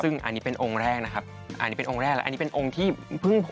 ซึ่งอันนี้เป็นองค์แรกนะครับอันนี้เป็นองค์แรกแล้วอันนี้เป็นองค์ที่เพิ่งพอ